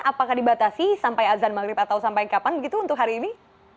apakah dibatasi sampai azan maghrib atau sampai kapan begitu untuk hari ini